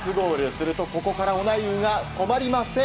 するとここからオナイウが止まりません！